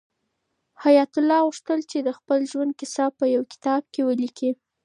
حیات الله غوښتل چې د خپل ژوند کیسه په یو کتاب کې ولیکي.